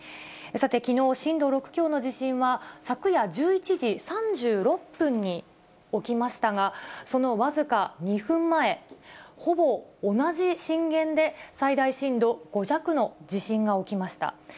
さて、きのう震度６強の地震は、昨夜１１時３６分に起きましたが、その僅か２分前、ほぼ同じ震源で最大震度５弱の地震が起きました。